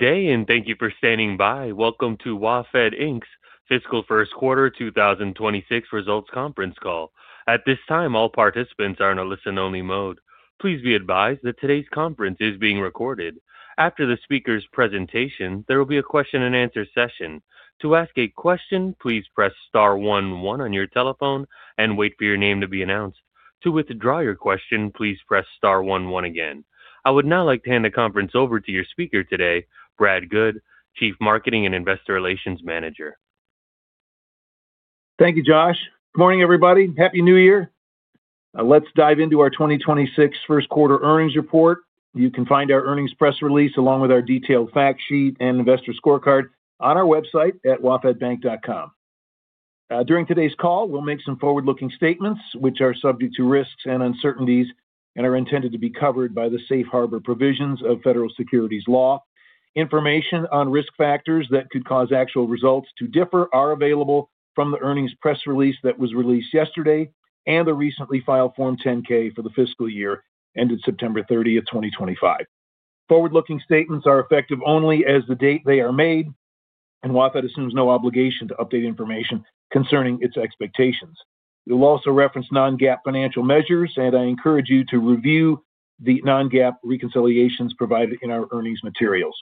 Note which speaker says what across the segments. Speaker 1: Good day, and thank you for standing by. Welcome to WaFd Inc.'s Fiscal First Quarter 2026 Results Conference Call. At this time, all participants are in a listen-only mode. Please be advised that today's conference is being recorded. After the speaker's presentation, there will be a question-and-answer session. To ask a question, please press star one one on your telephone and wait for your name to be announced. To withdraw your question, please press star one one again. I would now like to hand the conference over to your speaker today, Brad Goode, Chief Marketing and Investor Relations Manager.
Speaker 2: Thank you, Josh. Good morning, everybody. Happy New Year. Let's dive into our 2026 First Quarter Earnings Report. You can find our earnings press release along with our detailed fact sheet and investor scorecard on our website at wafdbank.com. During today's call, we'll make some forward-looking statements, which are subject to risks and uncertainties and are intended to be covered by the safe harbor provisions of federal securities law. Information on risk factors that could cause actual results to differ are available from the earnings press release that was released yesterday and the recently filed Form 10-K for the fiscal year ended September 30, 2025. Forward-looking statements are effective only as the date they are made, and WaFd assumes no obligation to update information concerning its expectations. We will also reference non-GAAP financial measures, and I encourage you to review the non-GAAP reconciliations provided in our earnings materials.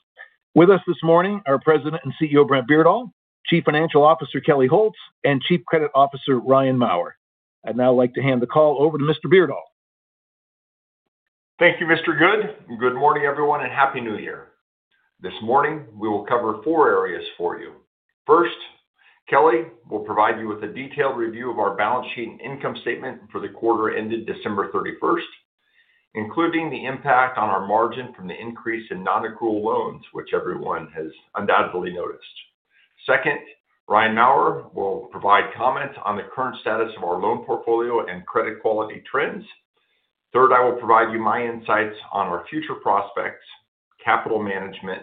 Speaker 2: With us this morning are President and CEO Brent Beardall, Chief Financial Officer Kelli Holz, and Chief Credit Officer Ryan Mauer. I'd now like to hand the call over to Mr. Beardall.
Speaker 3: Thank you, Mr. Goode. Good morning, everyone, and happy New Year. This morning, we will cover four areas for you. First, Kelli will provide you with a detailed review of our balance sheet and income statement for the quarter ended December 31, including the impact on our margin from the increase in non-accrual loans, which everyone has undoubtedly noticed. Second, Ryan Mauer will provide comments on the current status of our loan portfolio and credit quality trends. Third, I will provide you my insights on our future prospects, capital management,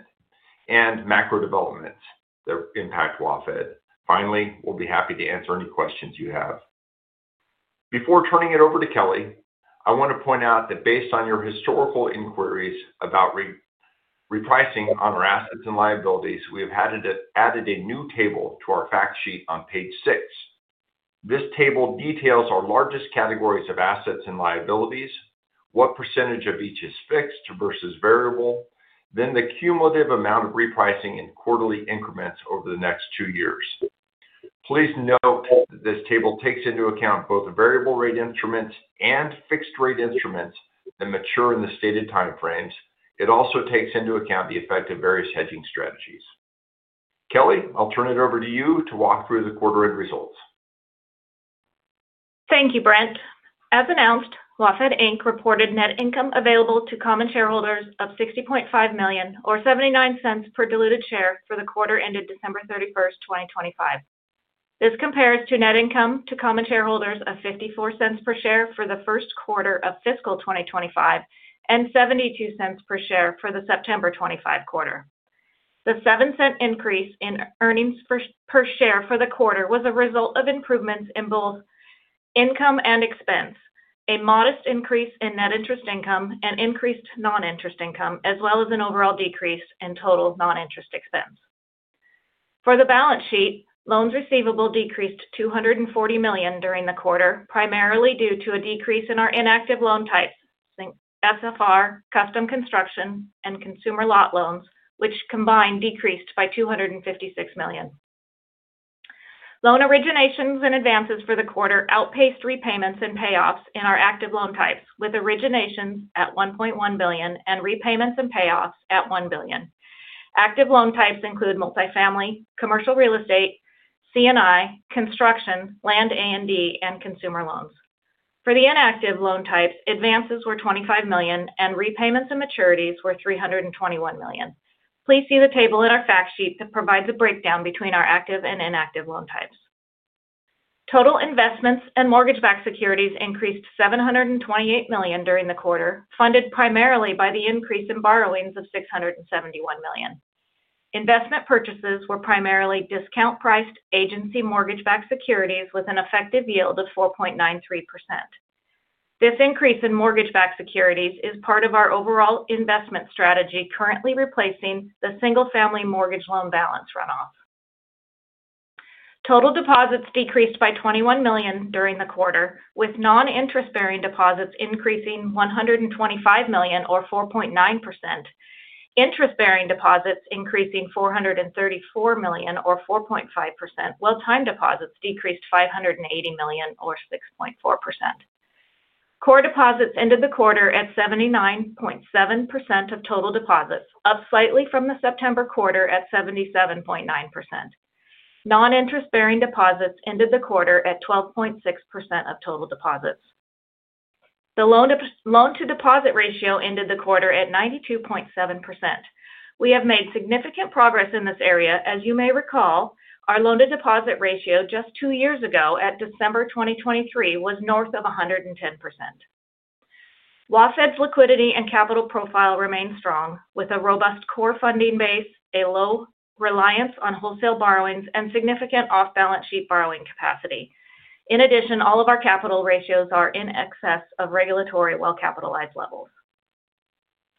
Speaker 3: and macro developments that impact WaFd. Finally, we'll be happy to answer any questions you have. Before turning it over to Kelli, I want to point out that based on your historical inquiries about repricing on our assets and liabilities, we have added a new table to our fact sheet on page six. This table details our largest categories of assets and liabilities, what percentage of each is fixed versus variable, then the cumulative amount of repricing in quarterly increments over the next two years. Please note that this table takes into account both variable rate instruments and fixed rate instruments that mature in the stated time frames. It also takes into account the effect of various hedging strategies. Kelli, I'll turn it over to you to walk through the quarter-end results.
Speaker 4: Thank you, Brent. As announced, WaFd Inc. reported net income available to common shareholders of $60.5 million or $0.79 per diluted share for the quarter ended December 31, 2025. This compares to net income to common shareholders of $0.54 per share for the first quarter of fiscal 2025 and $0.72 per share for the September 25 quarter. The $0.07 increase in earnings per share for the quarter was a result of improvements in both income and expense, a modest increase in net interest income and increased non-interest income, as well as an overall decrease in total non-interest expense. For the balance sheet, loans receivable decreased $240 million during the quarter, primarily due to a decrease in our inactive loan types, SFR, custom construction, and consumer lot loans, which combined decreased by $256 million. Loan originations and advances for the quarter outpaced repayments and payoffs in our active loan types, with originations at $1.1 billion and repayments and payoffs at $1 billion. Active loan types include multifamily, commercial real estate, C&I, construction, land A&D, and consumer loans. For the inactive loan types, advances were $25 million and repayments and maturities were $321 million. Please see the table in our fact sheet that provides a breakdown between our active and inactive loan types. Total investments and mortgage-backed securities increased $728 million during the quarter, funded primarily by the increase in borrowings of $671 million. Investment purchases were primarily discount-priced agency mortgage-backed securities with an effective yield of 4.93%. This increase in mortgage-backed securities is part of our overall investment strategy, currently replacing the single-family mortgage loan balance runoff. Total deposits decreased by $21 million during the quarter, with non-interest-bearing deposits increasing $125 million or 4.9%, interest-bearing deposits increasing $434 million or 4.5%, while time deposits decreased $580 million or 6.4%. Core deposits ended the quarter at 79.7% of total deposits, up slightly from the September quarter at 77.9%. Non-interest-bearing deposits ended the quarter at 12.6% of total deposits. The loan-to-deposit ratio ended the quarter at 92.7%. We have made significant progress in this area. As you may recall, our loan-to-deposit ratio just two years ago at December 2023 was north of 110%. WaFd's liquidity and capital profile remain strong, with a robust core funding base, a low reliance on wholesale borrowings, and significant off-balance sheet borrowing capacity. In addition, all of our capital ratios are in excess of regulatory well-capitalized levels.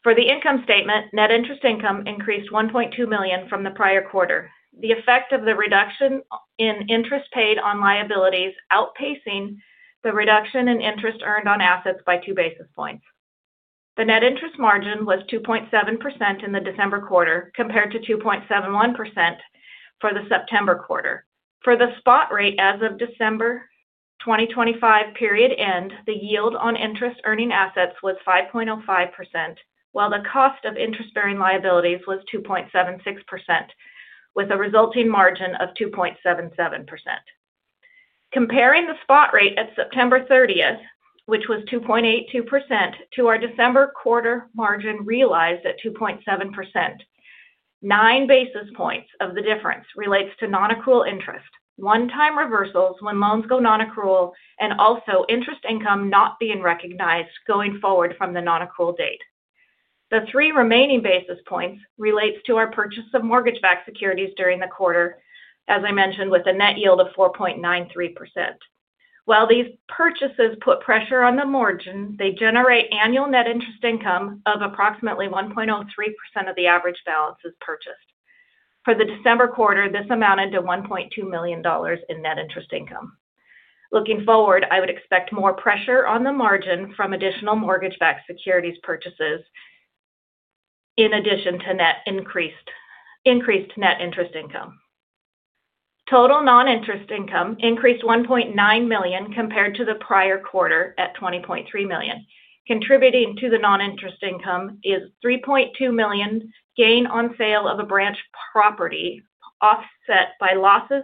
Speaker 4: For the income statement, net interest income increased $1.2 million from the prior quarter. The effect of the reduction in interest paid on liabilities outpacing the reduction in interest earned on assets by two basis points. The net interest margin was 2.7% in the December quarter, compared to 2.71% for the September quarter. For the spot rate as of December 2025 period end, the yield on interest-earning assets was 5.05%, while the cost of interest-bearing liabilities was 2.76%, with a resulting margin of 2.77%. Comparing the spot rate at September 30, which was 2.82%, to our December quarter margin realized at 2.7%, nine basis points of the difference relates to non-accrual interest, one-time reversals when loans go non-accrual, and also interest income not being recognized going forward from the non-accrual date. The three remaining basis points relates to our purchase of mortgage-backed securities during the quarter, as I mentioned, with a net yield of 4.93%. While these purchases put pressure on the margin, they generate annual net interest income of approximately 1.03% of the average balances purchased. For the December quarter, this amounted to $1.2 million in net interest income. Looking forward, I would expect more pressure on the margin from additional mortgage-backed securities purchases in addition to net increased net interest income. Total non-interest income increased $1.9 million compared to the prior quarter at $20.3 million. Contributing to the non-interest income is $3.2 million gain on sale of a branch property, offset by losses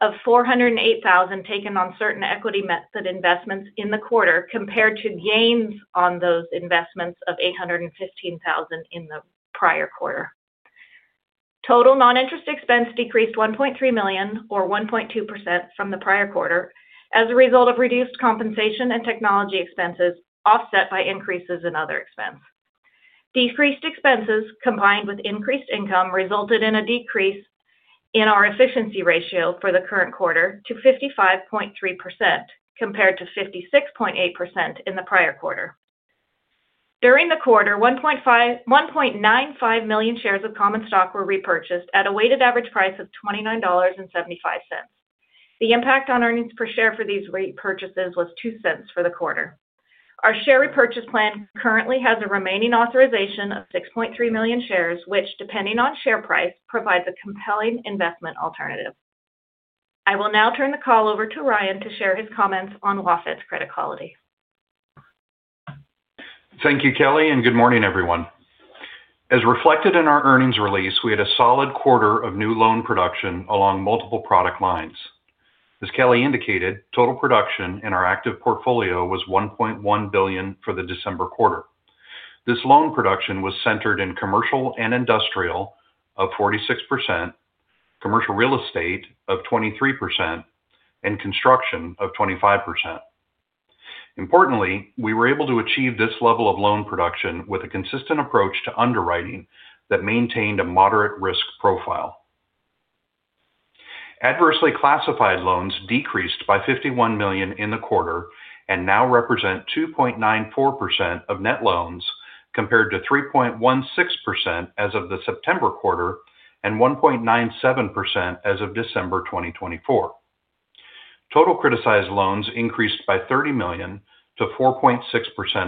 Speaker 4: of $408,000 taken on certain equity method investments in the quarter, compared to gains on those investments of $815,000 in the prior quarter. Total non-interest expense decreased $1.3 million, or 1.2%, from the prior quarter as a result of reduced compensation and technology expenses, offset by increases in other expense. Decreased expenses combined with increased income resulted in a decrease in our efficiency ratio for the current quarter to 55.3%, compared to 56.8% in the prior quarter. During the quarter, 1.95 million shares of common stock were repurchased at a weighted average price of $29.75. The impact on earnings per share for these repurchases was $0.02 for the quarter. Our share repurchase plan currently has a remaining authorization of 6.3 million shares, which, depending on share price, provides a compelling investment alternative. I will now turn the call over to Ryan to share his comments on WaFd's credit quality.
Speaker 5: Thank you, Kelli, and good morning, everyone. As reflected in our earnings release, we had a solid quarter of new loan production along multiple product lines. As Kelli indicated, total production in our active portfolio was $1.1 billion for the December quarter. This loan production was centered in commercial and industrial of 46%, commercial real estate of 23%, and construction of 25%. Importantly, we were able to achieve this level of loan production with a consistent approach to underwriting that maintained a moderate risk profile. Adversely classified loans decreased by $51 million in the quarter and now represent 2.94% of net loans compared to 3.16% as of the September quarter and 1.97% as of December 2024. Total criticized loans increased by $30 million to 4.6%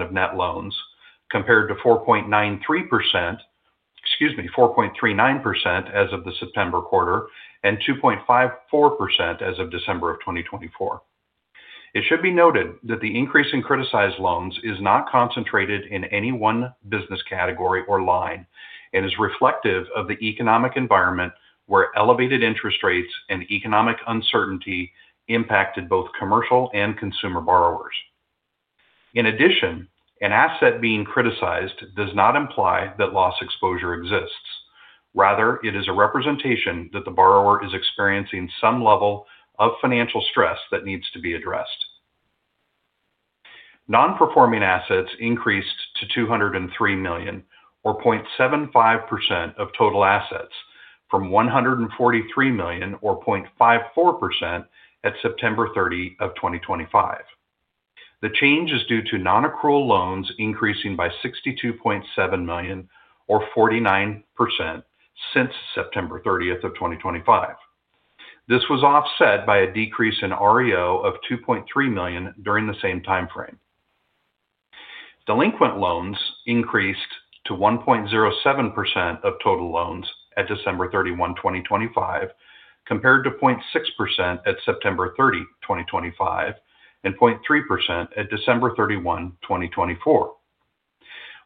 Speaker 5: of net loans compared to 4.93%, excuse me, 4.39% as of the September quarter and 2.54% as of December of 2024. It should be noted that the increase in criticized loans is not concentrated in any one business category or line and is reflective of the economic environment where elevated interest rates and economic uncertainty impacted both commercial and consumer borrowers. In addition, an asset being criticized does not imply that loss exposure exists. Rather, it is a representation that the borrower is experiencing some level of financial stress that needs to be addressed. Non-performing assets increased to $203 million, or 0.75% of total assets, from $143 million, or 0.54%, at September 30 of 2025. The change is due to non-accrual loans increasing by $62.7 million, or 49%, since September 30 of 2025. This was offset by a decrease in REO of $2.3 million during the same timeframe. Delinquent loans increased to 1.07% of total loans at December 31, 2025, compared to 0.6% at September 30, 2025, and 0.3% at December 31, 2024.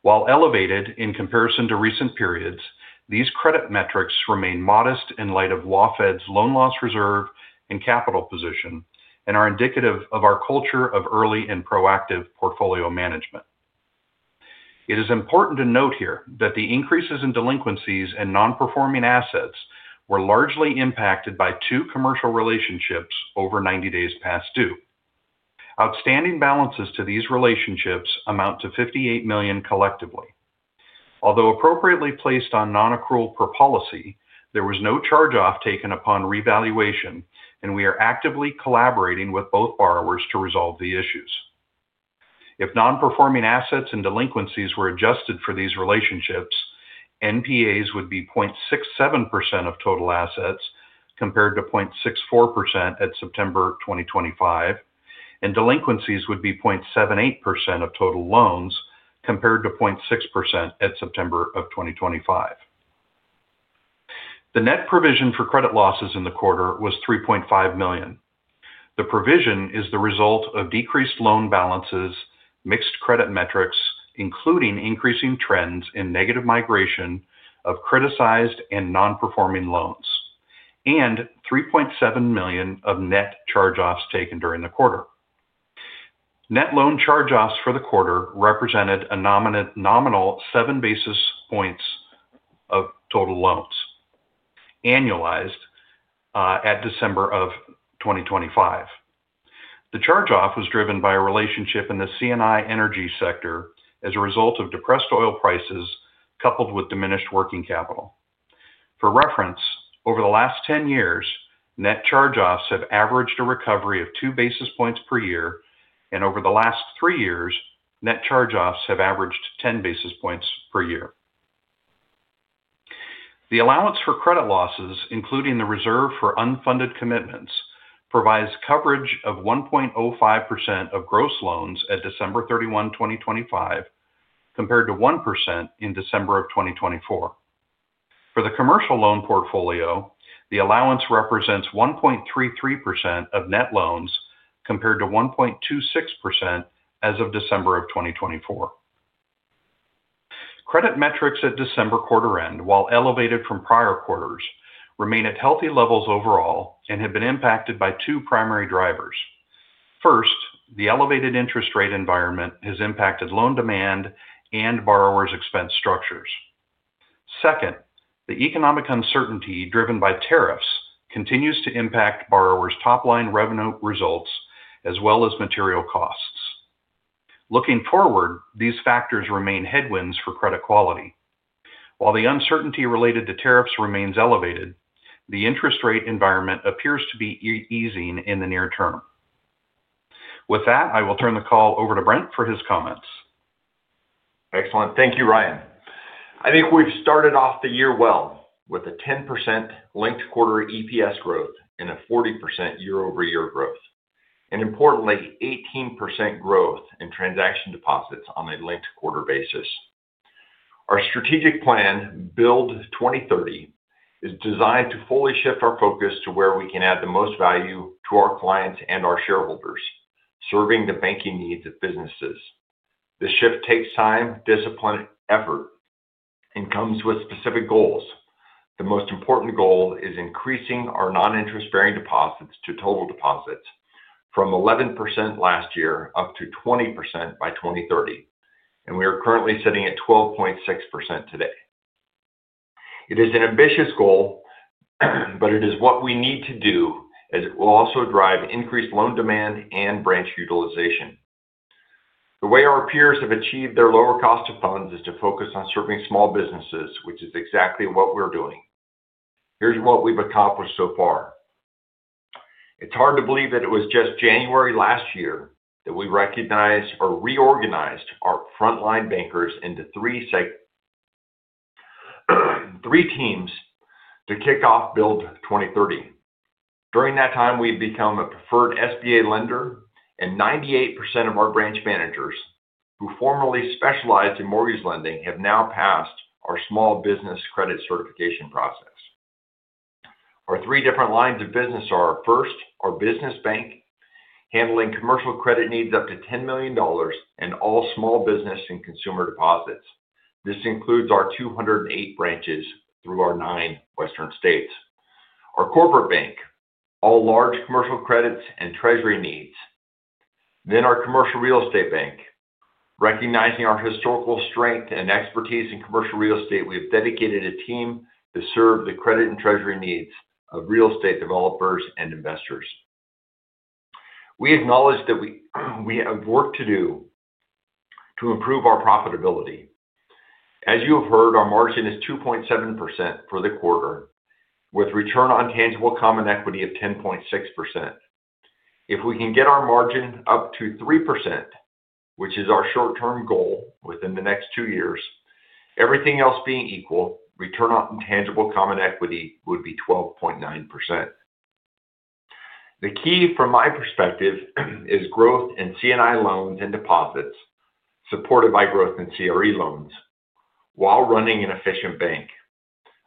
Speaker 5: While elevated in comparison to recent periods, these credit metrics remain modest in light of WaFd's loan loss reserve and capital position and are indicative of our culture of early and proactive portfolio management. It is important to note here that the increases in delinquencies and non-performing assets were largely impacted by two commercial relationships over 90 days past due. Outstanding balances to these relationships amount to $58 million collectively. Although appropriately placed on non-accrual per policy, there was no charge-off taken upon revaluation, and we are actively collaborating with both borrowers to resolve the issues. If non-performing assets and delinquencies were adjusted for these relationships, NPAs would be 0.67% of total assets compared to 0.64% at September 2025, and delinquencies would be 0.78% of total loans compared to 0.6% at September of 2025. The net provision for credit losses in the quarter was $3.5 million. The provision is the result of decreased loan balances, mixed credit metrics, including increasing trends in negative migration of criticized and non-performing loans, and $3.7 million of net charge-offs taken during the quarter. Net loan charge-offs for the quarter represented a nominal seven basis points of total loans annualized at December of 2025. The charge-off was driven by a relationship in the C&I energy sector as a result of depressed oil prices coupled with diminished working capital. For reference, over the last 10 years, net charge-offs have averaged a recovery of two basis points per year, and over the last three years, net charge-offs have averaged 10 basis points per year. The allowance for credit losses, including the reserve for unfunded commitments, provides coverage of 1.05% of gross loans at December 31, 2025, compared to 1% in December of 2024. For the commercial loan portfolio, the allowance represents 1.33% of net loans compared to 1.26% as of December of 2024. Credit metrics at December quarter end, while elevated from prior quarters, remain at healthy levels overall and have been impacted by two primary drivers. First, the elevated interest rate environment has impacted loan demand and borrowers' expense structures. Second, the economic uncertainty driven by tariffs continues to impact borrowers' top-line revenue results as well as material costs. Looking forward, these factors remain headwinds for credit quality. While the uncertainty related to tariffs remains elevated, the interest rate environment appears to be easing in the near term. With that, I will turn the call over to Brent for his comments.
Speaker 3: Excellent. Thank you, Ryan. I think we've started off the year well with a 10% linked quarter EPS growth and a 40% year-over-year growth, and importantly, 18% growth in transaction deposits on a linked quarter basis. Our strategic plan, BUILD 2030, is designed to fully shift our focus to where we can add the most value to our clients and our shareholders, serving the banking needs of businesses. This shift takes time, discipline, effort, and comes with specific goals. The most important goal is increasing our non-interest-bearing deposits to total deposits from 11% last year up to 20% by 2030, and we are currently sitting at 12.6% today. It is an ambitious goal, but it is what we need to do as it will also drive increased loan demand and branch utilization. The way our peers have achieved their lower cost of funds is to focus on serving small businesses, which is exactly what we're doing. Here's what we've accomplished so far. It's hard to believe that it was just January last year that we recognized or reorganized our frontline bankers into three teams to kick off BUILD 2030. During that time, we've become a preferred SBA lender, and 98% of our branch managers who formerly specialized in mortgage lending have now passed our small business credit certification process. Our three different lines of business are first, our business bank handling commercial credit needs up to $10 million and all small business and consumer deposits. This includes our 208 branches through our nine western states. Our corporate bank, all large commercial credits and treasury needs, then our commercial real estate bank. Recognizing our historical strength and expertise in commercial real estate, we have dedicated a team to serve the credit and treasury needs of real estate developers and investors. We acknowledge that we have work to do to improve our profitability. As you have heard, our margin is 2.7% for the quarter, with return on tangible common equity of 10.6%. If we can get our margin up to 3%, which is our short-term goal within the next two years, everything else being equal, return on tangible common equity would be 12.9%. The key from my perspective is growth in C&I loans and deposits, supported by growth in CRE loans, while running an efficient bank.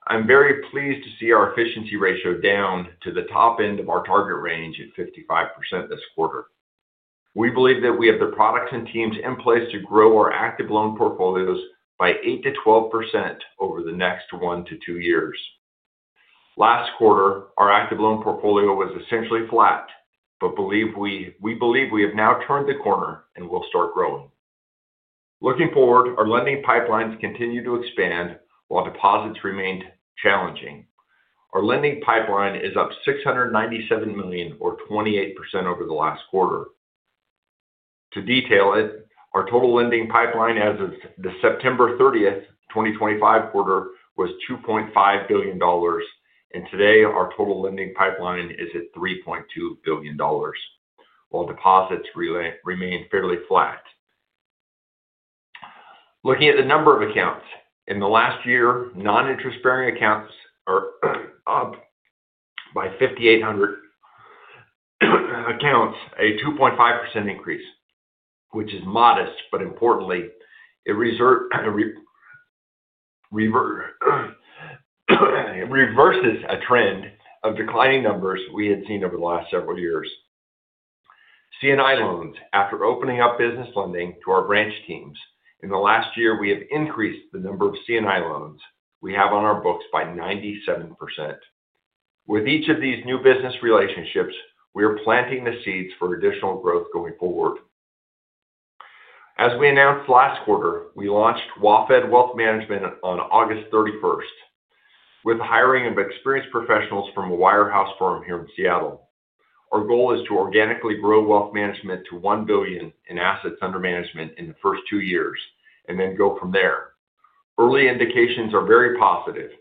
Speaker 3: I'm very pleased to see our efficiency ratio down to the top end of our target range at 55% this quarter. We believe that we have the products and teams in place to grow our active loan portfolios by 8%-12% over the next one to two years. Last quarter, our active loan portfolio was essentially flat, but we believe we have now turned the corner and will start growing. Looking forward, our lending pipelines continue to expand while deposits remain challenging. Our lending pipeline is up $697 million, or 28% over the last quarter. To detail it, our total lending pipeline as of the September 30, 2025 quarter was $2.5 billion, and today our total lending pipeline is at $3.2 billion, while deposits remain fairly flat. Looking at the number of accounts, in the last year, non-interest-bearing accounts are up by 5,800 accounts, a 2.5% increase, which is modest, but importantly, it reverses a trend of declining numbers we had seen over the last several years. C&I loans, after opening up business lending to our branch teams in the last year, we have increased the number of C&I loans we have on our books by 97%. With each of these new business relationships, we are planting the seeds for additional growth going forward. As we announced last quarter, we launched WaFd Wealth Management on August 31st with hiring of experienced professionals from a wirehouse firm here in Seattle. Our goal is to organically grow wealth management to $1 billion in assets under management in the first two years and then go from there. Early indications are very positive.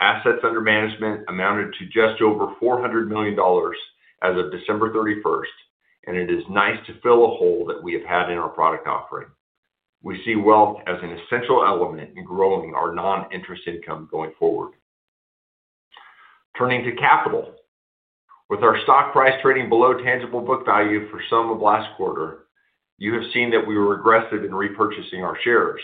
Speaker 3: Assets under management amounted to just over $400 million as of December 31st, and it is nice to fill a hole that we have had in our product offering. We see wealth as an essential element in growing our non-interest income going forward. Turning to capital, with our stock price trading below tangible book value for some of last quarter, you have seen that we were aggressive in repurchasing our shares.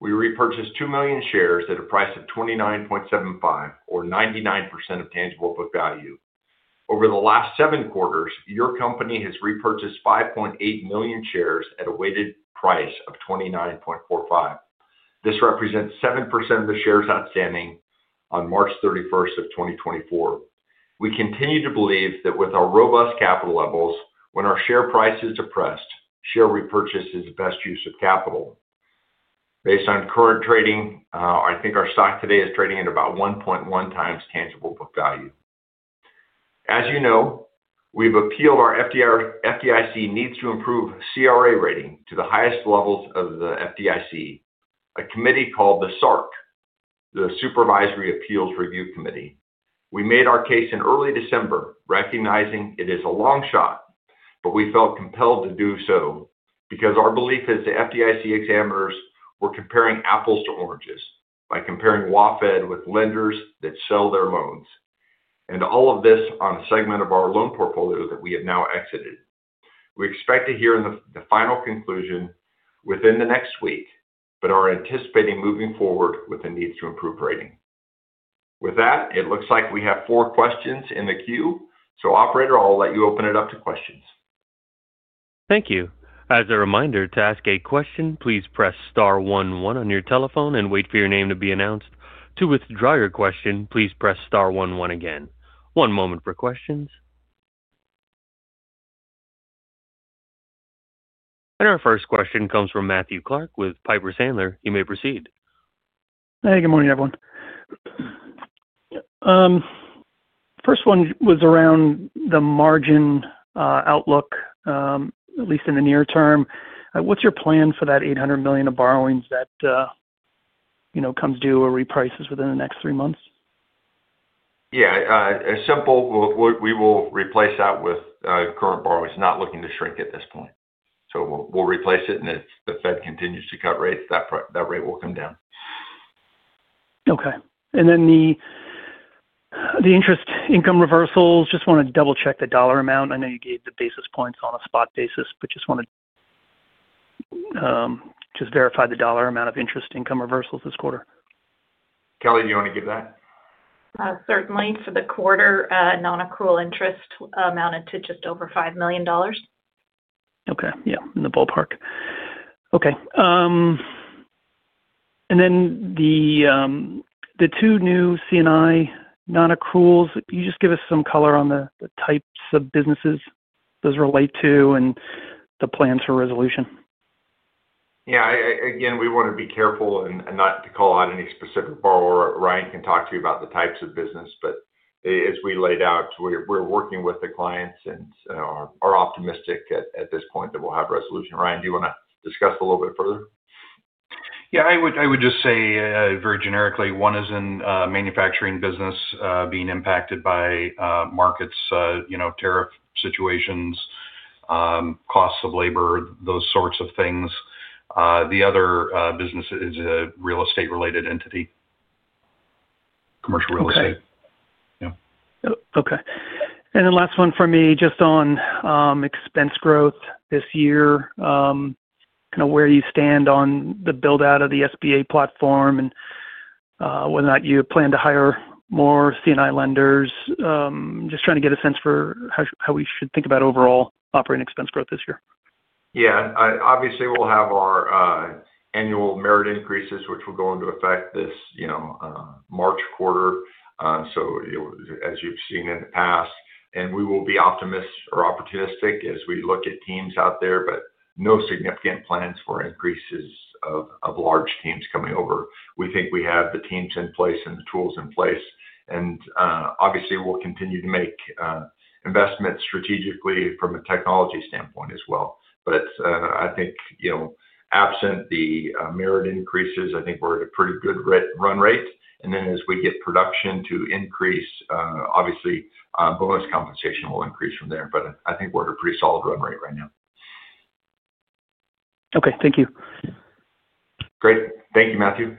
Speaker 3: We repurchased two million shares at a price of $29.75, or 99% of tangible book value. Over the last seven quarters, your company has repurchased 5.8 million shares at a weighted price of $29.45. This represents 7% of the shares outstanding on March 31st of 2024. We continue to believe that with our robust capital levels, when our share price is depressed, share repurchase is the best use of capital. Based on current trading, I think our stock today is trading at about 1.1x tangible book value. As you know, we've appealed our FDIC needs to improve CRA rating to the highest levels of the FDIC, a committee called the SARC, the Supervisory Appeals Review Committee. We made our case in early December, recognizing it is a long shot, but we felt compelled to do so because our belief is the FDIC examiners were comparing apples to oranges by comparing WaFd with lenders that sell their loans, and all of this on a segment of our loan portfolio that we have now exited. We expect to hear the final conclusion within the next week, but are anticipating moving forward with the needs to improve rating. With that, it looks like we have four questions in the queue, so Operator, I'll let you open it up to questions.
Speaker 1: Thank you. As a reminder, to ask a question, please press star one one on your telephone and wait for your name to be announced. To withdraw your question, please press star one one again. One moment for questions. And our first question comes from Matthew Clark with Piper Sandler. You may proceed.
Speaker 6: Hey, good morning, everyone. First one was around the margin outlook, at least in the near term. What's your plan for that $800 million of borrowings that comes due or reprices within the next three months?
Speaker 3: Yeah, simple. We will replace that with current borrowings. Not looking to shrink at this point. So we'll replace it, and if the Fed continues to cut rates, that rate will come down.
Speaker 6: Okay. And then the interest income reversals, just want to double-check the dollar amount. I know you gave the basis points on a spot basis, but just want to verify the dollar amount of interest income reversals this quarter.
Speaker 3: Kelli, do you want to give that?
Speaker 4: Certainly. For the quarter, non-accrual interest amounted to just over $5 million.
Speaker 6: Okay. Yeah, in the ballpark. Okay. And then the two new C&I non-accruals, you just give us some color on the types of businesses those relate to and the plans for resolution?
Speaker 3: Yeah. Again, we want to be careful and not to call out any specific borrower. Ryan can talk to you about the types of business, but as we laid out, we're working with the clients and are optimistic at this point that we'll have resolution. Ryan, do you want to discuss a little bit further?
Speaker 5: Yeah, I would just say very generically, one is in manufacturing business being impacted by markets, tariff situations, costs of labor, those sorts of things. The other business is a real estate-related entity, commercial real estate.
Speaker 6: Okay. And then last one for me, just on expense growth this year, kind of where you stand on the build-out of the SBA platform and whether or not you plan to hire more C&I lenders, just trying to get a sense for how we should think about overall operating expense growth this year.
Speaker 5: Yeah. Obviously, we'll have our annual merit increases, which will go into effect this March quarter, so as you've seen in the past. And we will be optimistic or opportunistic as we look at teams out there, but no significant plans for increases of large teams coming over. We think we have the teams in place and the tools in place. And obviously, we'll continue to make investments strategically from a technology standpoint as well. But I think absent the merit increases, I think we're at a pretty good run rate. And then as we get production to increase, obviously, bonus compensation will increase from there. But I think we're at a pretty solid run rate right now.
Speaker 6: Okay. Thank you.
Speaker 3: Great. Thank you, Matthew.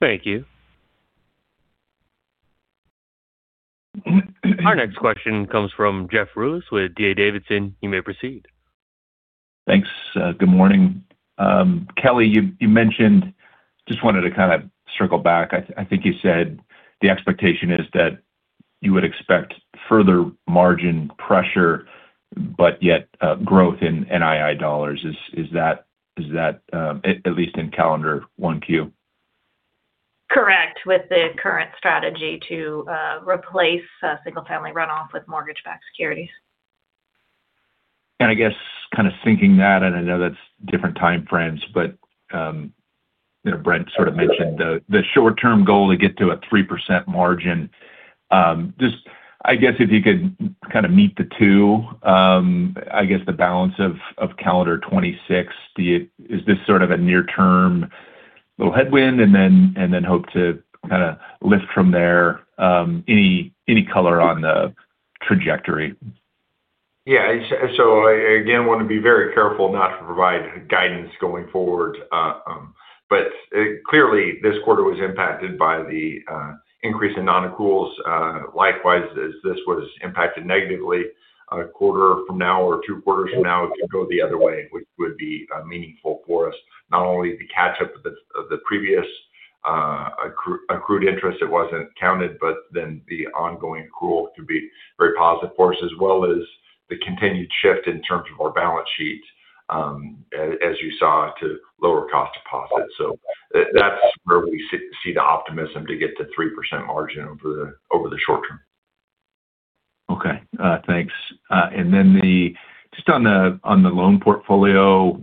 Speaker 1: Thank you. Our next question comes from Jeff Rulis with DA Davidson. You may proceed.
Speaker 7: Thanks. Good morning. Kelli, you mentioned just wanted to kind of circle back. I think you said the expectation is that you would expect further margin pressure, but yet growth in NII dollars. Is that at least in calendar 1Q?
Speaker 4: Correct, with the current strategy to replace single-family runoff with mortgage-backed securities.
Speaker 7: I guess kind of thinking that, and I know that's different time frames, but Brent sort of mentioned the short-term goal to get to a 3% margin. I guess if you could kind of meet the two, I guess the balance of calendar 2026, is this sort of a near-term little headwind and then hope to kind of lift from there? Any color on the trajectory?
Speaker 3: Yeah. So again, want to be very careful not to provide guidance going forward. But clearly, this quarter was impacted by the increase in non-accruals. Likewise, as this was impacted negatively, a quarter from now or two quarters from now, it could go the other way, which would be meaningful for us. Not only the catch-up of the previous accrued interest that wasn't counted, but then the ongoing accrual could be very positive for us, as well as the continued shift in terms of our balance sheet, as you saw, to lower cost deposits. So that's where we see the optimism to get to 3% margin over the short term.
Speaker 7: Okay. Thanks. And then just on the loan portfolio,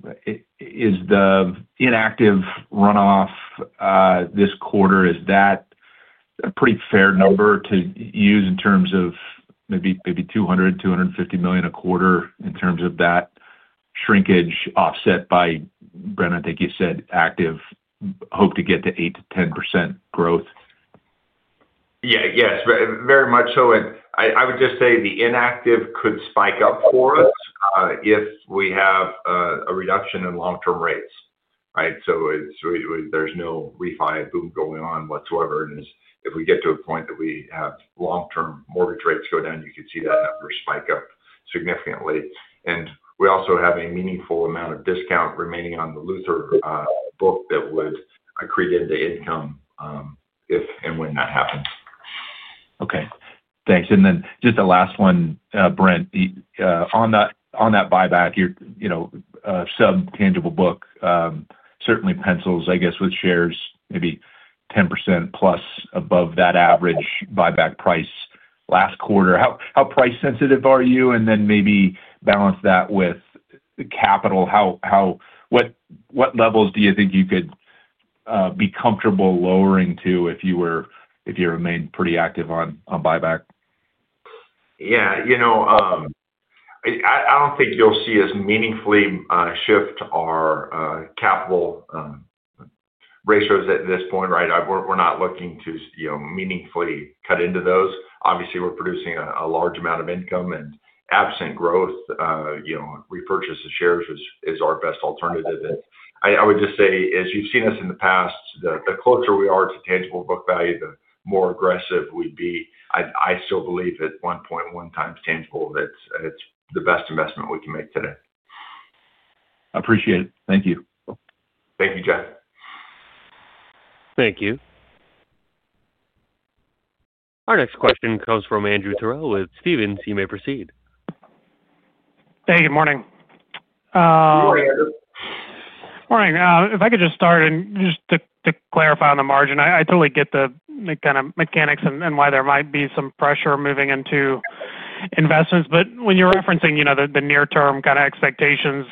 Speaker 7: is the inactive runoff this quarter, is that a pretty fair number to use in terms of maybe $200 million-$250 million a quarter in terms of that shrinkage offset by, Brent, I think you said active hope to get to 8%-10% growth?
Speaker 3: Yeah. Yes, very much so. And I would just say the inactive could spike up for us if we have a reduction in long-term rates, right? So there's no refi boom going on whatsoever. And if we get to a point that we have long-term mortgage rates go down, you could see that number spike up significantly. And we also have a meaningful amount of discount remaining on the Luther book that would accrete into income if and when that happens.
Speaker 7: Okay. Thanks. And then just the last one, Brent, on that buyback, your sub-tangible book, certainly pencils, I guess, with shares maybe 10% plus above that average buyback price last quarter. How price-sensitive are you? And then maybe balance that with capital. What levels do you think you could be comfortable lowering to if you remained pretty active on buyback?
Speaker 3: Yeah. I don't think you'll see us meaningfully shift our capital ratios at this point, right? We're not looking to meaningfully cut into those. Obviously, we're producing a large amount of income, and absent growth, repurchase of shares is our best alternative. And I would just say, as you've seen us in the past, the closer we are to tangible book value, the more aggressive we'd be. I still believe at 1.1 times tangible, it's the best investment we can make today.
Speaker 7: Appreciate it. Thank you.
Speaker 3: Thank you, Jeff.
Speaker 1: Thank you. Our next question comes from Andrew Terrell with Stephens. You may proceed.
Speaker 8: Hey, good morning.
Speaker 3: Good morning, Andrew.
Speaker 8: Morning. If I could just start and just to clarify on the margin, I totally get the kind of mechanics and why there might be some pressure moving into investments. But when you're referencing the near-term kind of expectations,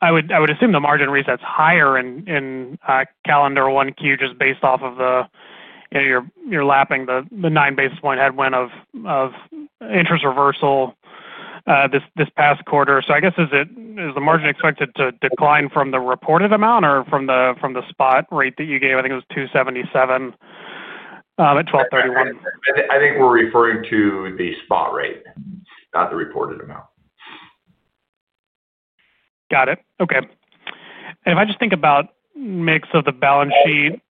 Speaker 8: I would assume the margin resets higher in calendar Q1 just based off of your lapping the nine basis points headwind of interest reversal this past quarter. So I guess, is the margin expected to decline from the reported amount or from the spot rate that you gave? I think it was 277 at 1231.
Speaker 3: I think we're referring to the spot rate, not the reported amount.
Speaker 8: Got it. Okay. And if I just think about mix of the balance sheet,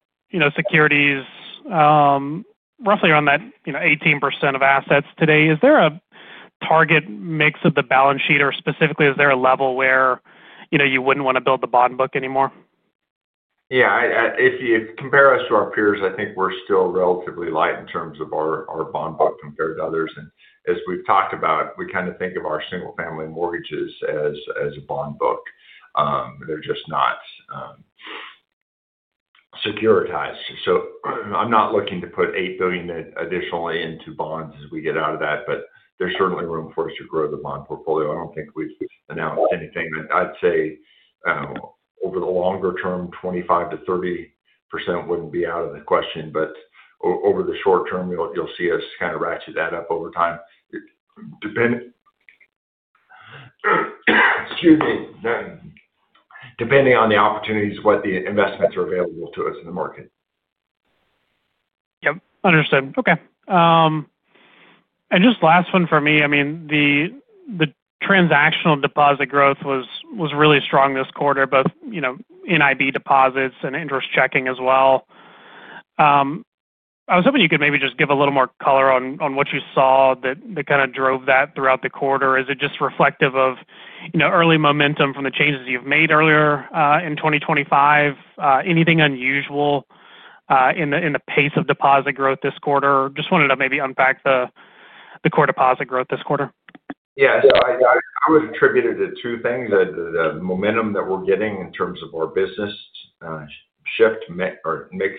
Speaker 8: securities, roughly around that 18% of assets today, is there a target mix of the balance sheet? Or specifically, is there a level where you wouldn't want to build the bond book anymore?
Speaker 3: Yeah. If you compare us to our peers, I think we're still relatively light in terms of our bond book compared to others. And as we've talked about, we kind of think of our single-family mortgages as a bond book. They're just not securitized. So I'm not looking to put $8 billion additionally into bonds as we get out of that, but there's certainly room for us to grow the bond portfolio. I don't think we've announced anything. I'd say over the longer term, 25%-30% wouldn't be out of the question. But over the short term, you'll see us kind of ratchet that up over time, excuse me, depending on the opportunities, what the investments are available to us in the market.
Speaker 8: Yep. Understood. Okay, and just last one for me. I mean, the transactional deposit growth was really strong this quarter, both NIB deposits and interest checking as well. I was hoping you could maybe just give a little more color on what you saw that kind of drove that throughout the quarter. Is it just reflective of early momentum from the changes you've made earlier in 2025? Anything unusual in the pace of deposit growth this quarter? Just wanted to maybe unpack the core deposit growth this quarter.
Speaker 3: Yeah. So I would attribute it to two things: the momentum that we're getting in terms of our business shift or mix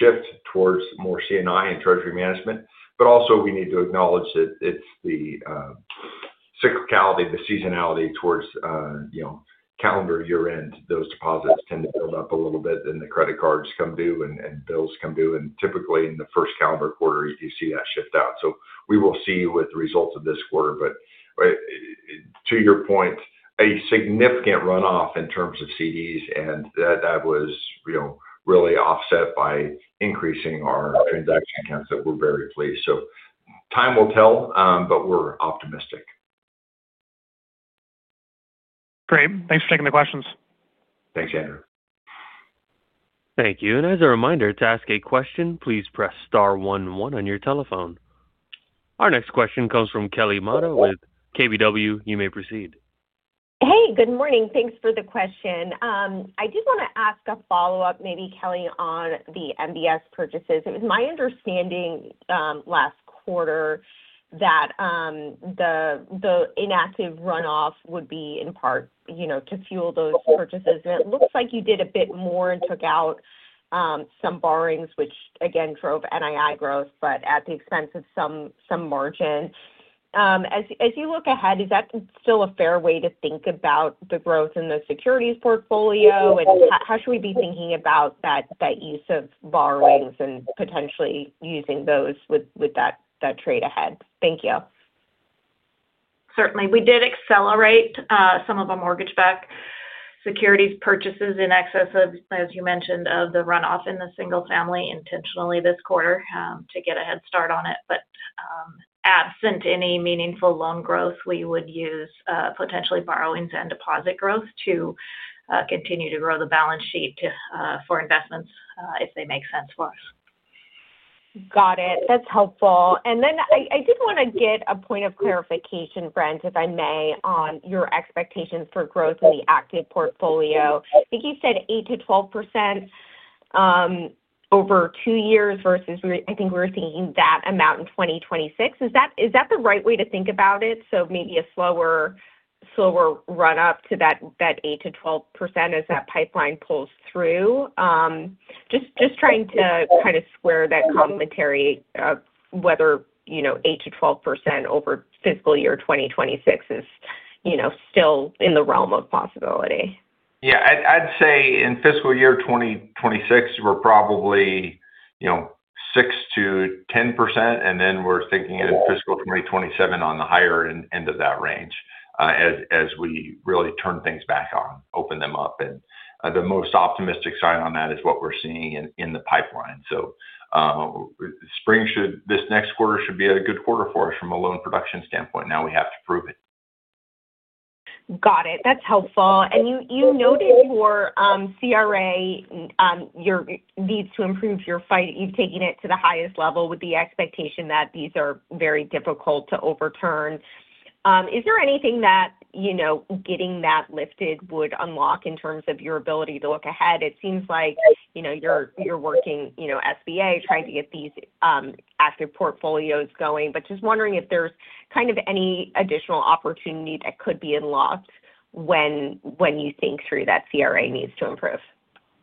Speaker 3: shift towards more C&I and treasury management. But also, we need to acknowledge that it's the cyclicality, the seasonality towards calendar year-end. Those deposits tend to build up a little bit, and the credit cards come due and bills come due. And typically, in the first calendar quarter, you see that shift out. So we will see with the results of this quarter. But to your point, a significant runoff in terms of CDs, and that was really offset by increasing our transaction counts that we're very pleased. So time will tell, but we're optimistic.
Speaker 8: Great. Thanks for taking the questions.
Speaker 3: Thanks, Andrew.
Speaker 1: Thank you. And as a reminder, to ask a question, please press star one one on your telephone. Our next question comes from Kelly Motta with KBW. You may proceed.
Speaker 9: Hey, good morning. Thanks for the question. I just want to ask a follow-up, maybe, Kelli, on the MBS purchases. It was my understanding last quarter that the inactive runoff would be in part to fuel those purchases. And it looks like you did a bit more and took out some borrowings, which again drove NII growth, but at the expense of some margin. As you look ahead, is that still a fair way to think about the growth in the securities portfolio? And how should we be thinking about that use of borrowings and potentially using those with that trade ahead? Thank you.
Speaker 4: Certainly. We did accelerate some of our mortgage-backed securities purchases in excess of, as you mentioned, of the runoff in the single-family intentionally this quarter to get a head start on it. But absent any meaningful loan growth, we would use potentially borrowings and deposit growth to continue to grow the balance sheet for investments if they make sense for us.
Speaker 9: Got it. That's helpful. And then I did want to get a point of clarification, Brent, if I may, on your expectations for growth in the active portfolio. I think you said 8%-12% over two years versus I think we were thinking that amount in 2026. Is that the right way to think about it? So maybe a slower run-up to that 8%-12% as that pipeline pulls through? Just trying to kind of square that commentary of whether 8%-12% over fiscal year 2026 is still in the realm of possibility.
Speaker 3: Yeah. I'd say in fiscal year 2026, we're probably 6%-10%. And then we're thinking in fiscal 2027 on the higher end of that range as we really turn things back on, open them up. And the most optimistic sign on that is what we're seeing in the pipeline. So this next quarter should be a good quarter for us from a loan production standpoint. Now we have to prove it.
Speaker 9: Got it. That's helpful. You noted your CRA, your needs to improve your rating. You've taken it to the highest level with the expectation that these are very difficult to overturn. Is there anything that getting that lifted would unlock in terms of your ability to look ahead? It seems like you're working SBA trying to get these active portfolios going. But just wondering if there's kind of any additional opportunity that could be unlocked when you think through that CRA rating needs to improve.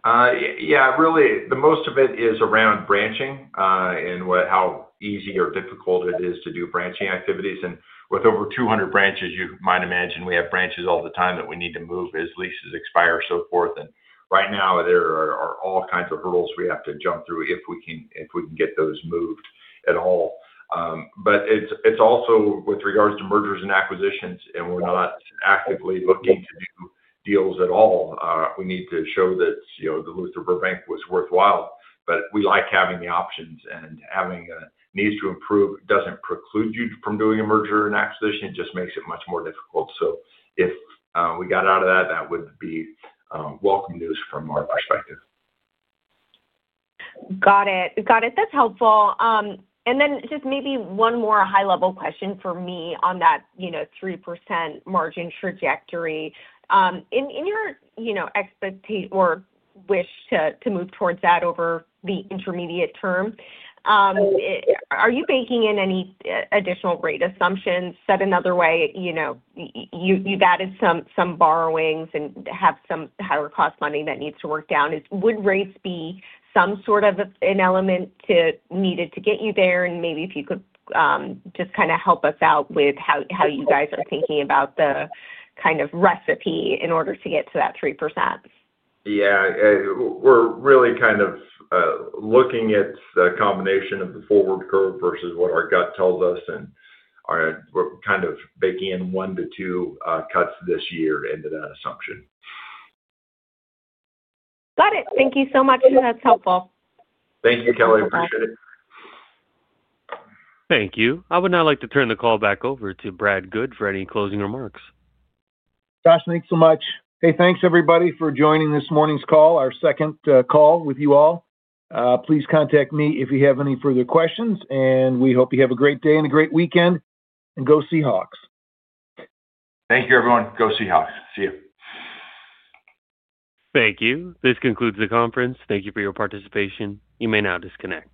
Speaker 3: Yeah. Really, the most of it is around branching and how easy or difficult it is to do branching activities, and with over 200 branches, you might imagine we have branches all the time that we need to move as leases expire, so forth, and right now, there are all kinds of hurdles we have to jump through if we can get those moved at all, but it's also with regards to mergers and acquisitions, and we're not actively looking to do deals at all. We need to show that the Luther Burbank Bank was worthwhile, but we like having the options, and having a need to improve doesn't preclude you from doing a merger and acquisition. It just makes it much more difficult, so if we got out of that, that would be welcome news from our perspective.
Speaker 9: Got it. Got it. That's helpful. And then just maybe one more high-level question for me on that 3% margin trajectory. In your expectation or wish to move towards that over the intermediate term, are you baking in any additional rate assumptions? Said another way, you've added some borrowings and have some higher cost money that needs to work down. Would rates be some sort of an element needed to get you there? And maybe if you could just kind of help us out with how you guys are thinking about the kind of recipe in order to get to that 3%.
Speaker 3: Yeah. We're really kind of looking at the combination of the forward curve versus what our gut tells us and kind of baking in one to two cuts this year into that assumption.
Speaker 9: Got it. Thank you so much. That's helpful.
Speaker 3: Thank you, Kelli. Appreciate it.
Speaker 1: Thank you. I would now like to turn the call back over to Brad Goode for any closing remarks.
Speaker 2: Josh, thanks so much. Hey, thanks, everybody, for joining this morning's call, our second call with you all. Please contact me if you have any further questions. And we hope you have a great day and a great weekend. And go Seahawks.
Speaker 3: Thank you, everyone. Go Seahawks. See you.
Speaker 1: Thank you. This concludes the conference. Thank you for your participation. You may now disconnect.